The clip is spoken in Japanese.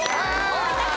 大分県